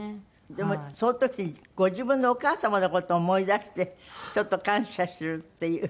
でもその時ご自分のお母様の事を思い出してちょっと感謝するっていう。